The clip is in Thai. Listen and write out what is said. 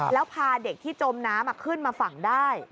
แล้วพาเด็กที่จมน้ำขึ้นมาฝั่งได้